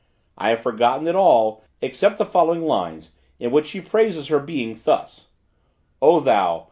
I have forgotten it all, except the following lines, in which she praises her being thus: O thou!